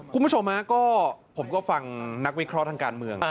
คุณผู้ชมฮะก็ผมก็ฟังนักวิเคราะห์ทางการเมือง